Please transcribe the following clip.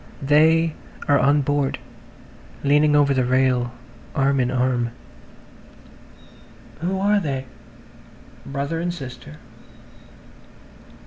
... They are on board leaning over the rail arm in arm. "... Who are they?" "... Brother and sister."